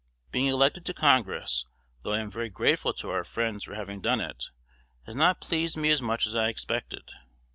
Being elected to Congress, though I am very grateful to our friends for having done it, has not pleased me as much as I expected.